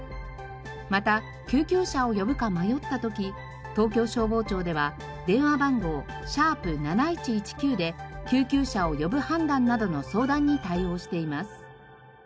また救急車を呼ぶか迷った時東京消防庁では電話番号＃７１１９で救急車を呼ぶ判断などの相談に対応しています。